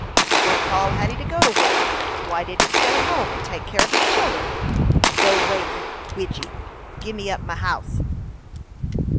"What call had he to go to the war? Why didn't he stay at home and take care of his childer? Go 'way wid ye! Give me up me house!"